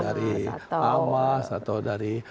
dari hamas atau dari